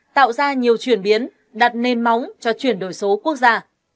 tạo ra nhiều chuyển biến đặt nền móng cho chuyển đổi số quốc gia